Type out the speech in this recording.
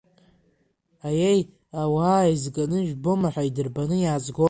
Аиеи, ауаа еизганы, ижәбома ҳәа идырбаны иаазгон.